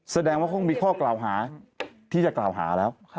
แสดงว่าคงมีข้อกล่าวหาที่จะกล่าวหาแล้ว